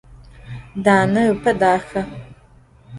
Dane ıpe daxe.